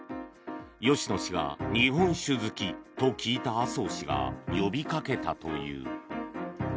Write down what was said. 芳野氏が日本酒好きと聞いた麻生氏が呼びかけたという。